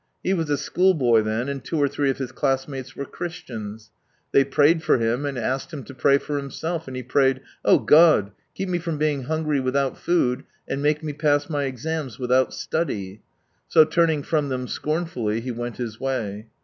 He was a schoolboy then, and two or three of hia class mates were Christians. They prayed for him, and asked him to pray for himself; and he prayed, " Oh ! God, keep me from being hungry without food, and make me pass my exams, without study." So turning from them scornfully, he went his way.